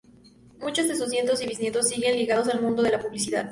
Muchos de sus nietos y bisnietos siguen ligados al mundo de la publicidad.